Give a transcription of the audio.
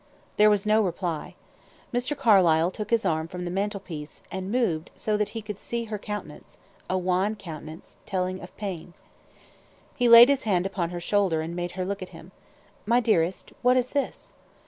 There was no reply. Mr. Carlyle took his arm from the mantelpiece, and moved so that he could see her countenance: a wan countenance, telling of pain. He laid his hand upon her shoulder, and made her look at him. "My dearest, what is this?"